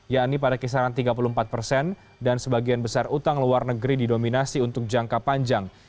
yakni pada kisaran tiga puluh empat persen dan sebagian besar utang luar negeri didominasi untuk jangka panjang